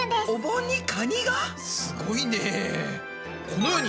すごいね。